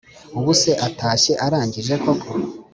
Ubuse atashye arangije koko